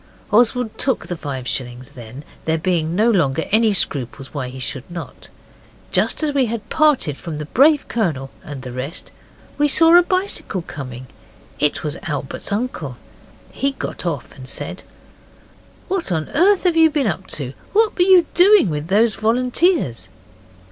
Oswald took the five shillings then, there being no longer any scruples why he should not. Just as we had parted from the brave Colonel and the rest we saw a bicycle coming. It was Albert's uncle. He got off and said 'What on earth have you been up to? What were you doing with those volunteers?